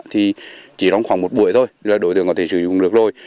thì chỉ trong khoảng một buổi thôi là đối tượng có thể sử dụng được rồi